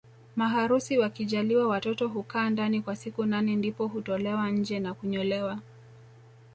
Maharusi wakijaliwa mtoto hukaa ndani kwa siku nane ndipo hutolewa nje na kunyolewa